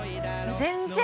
全然！